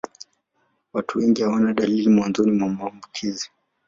Watu wengi hawana dalili mwanzoni mwa maambukizi.